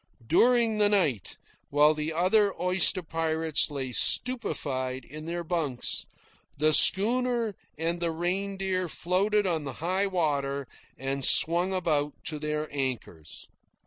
During the night, while the oyster pirates lay stupefied in their bunks, the schooner and the Reindeer floated on the high water and swung about to their anchors.